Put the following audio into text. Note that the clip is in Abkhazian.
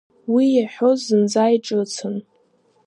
Уи иаҳәоз зынӡа иҿыцын…